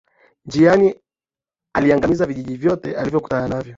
Njiani aliangamiza vijiji vyote alivyokutana navyo